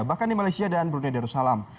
bahkan di malaysia dan brunei darussalam